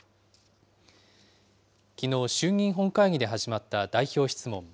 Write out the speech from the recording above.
きのう、衆議院本会議で始まった代表質問。